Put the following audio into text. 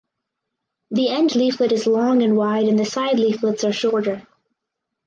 The end leaflet is long and wide and the side leaflets are shorter.